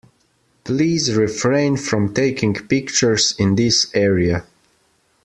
Please refrain from taking pictures in this area.